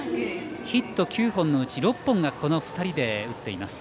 ヒット９本のうち６本がこの２人で打っています。